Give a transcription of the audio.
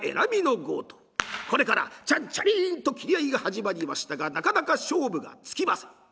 これからチャンチャリンと斬り合いが始まりましたがなかなか勝負がつきません。